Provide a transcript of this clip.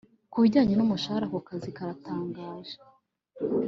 Kubijyanye numushahara ako kazi karatangaje